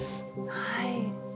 はい。